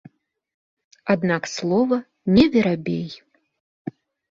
Аднак слова не верабей.